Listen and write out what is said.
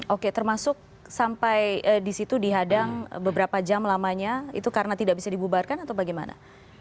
oke termasuk sampai di situ dihadang beberapa jam lamanya itu karena tidak bisa dibubarkan atau bagaimana